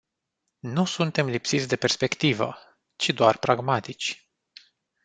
Nu suntem lipsiți de perspectivă, ci doar pragmatici.